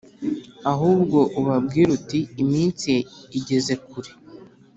Ahubwo ubabwire uti Iminsi igeze kure